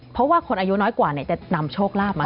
เพราะว่าคนอายุน้อยกว่าจะนำโชคลาภมา